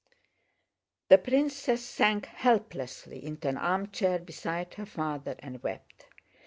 The princess sank helplessly into an armchair beside her father and wept.